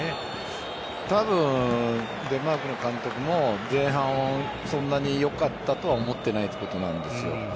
多分デンマークの監督も前半、そんなによかったとは思ってないということなんですよ。